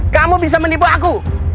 kamu bisa menipu aku